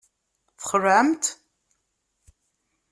Txelɛemt?